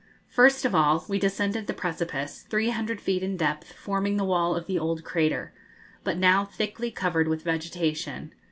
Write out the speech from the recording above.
First of all we descended the precipice, 300 feet in depth, forming the wall of the old crater, but now thickly covered with vegetation.